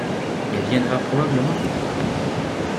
Elle viendra probablement plus tard.